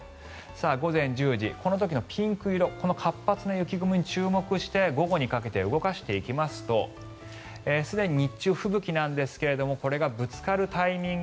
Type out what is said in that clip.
午前１０時、この時のピンク色この活発な雪雲に注目して午後にかけて動かしていきますとすでに日中、吹雪なんですがこれがぶつかるタイミング